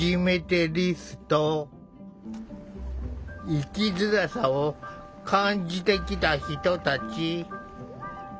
生きづらさを感じてきた人たち。